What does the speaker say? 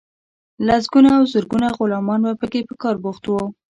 لسګونه او زرګونه غلامان به پکې په کار بوخت وو.